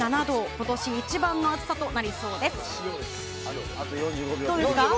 今年一番の暑さとなりそうです。